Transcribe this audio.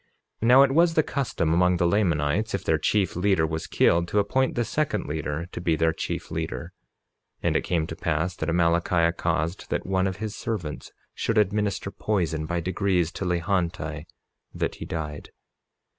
47:17 Now it was the custom among the Lamanites, if their chief leader was killed, to appoint the second leader to be their chief leader. 47:18 And it came to pass that Amalickiah caused that one of his servants should administer poison by degrees to Lehonti, that he died.